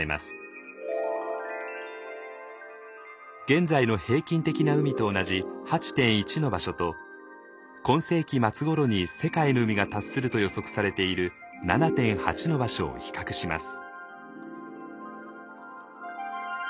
現在の平均的な海と同じ８．１の場所と今世紀末ごろに世界の海が達すると予測されている７．８の場所を比較します。